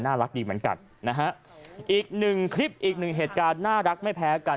รักดีเหมือนกันนะฮะอีกหนึ่งคลิปอีกหนึ่งเหตุการณ์น่ารักไม่แพ้กัน